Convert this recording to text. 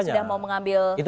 sudah mau mengambil posisi itu